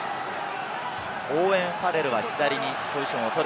オーウェン・ファレルは左にポジションを取る。